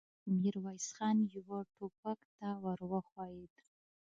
ميرويس خان يوه ټوپک ته ور وښويېد.